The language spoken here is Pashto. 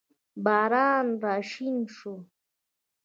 باران راشین شو